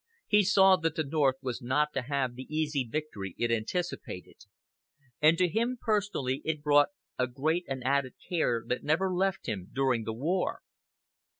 He saw that the North was not to have the easy victory it anticipated; and to him personally it brought a great and added care that never left him during the war.